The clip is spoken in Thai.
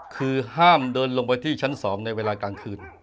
คือห้ามเดินลงไปที่ชั้น๒ในเวลากลางคืน